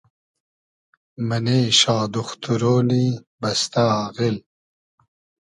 مئنې شا دوختورۉنی بئستۂ آغیل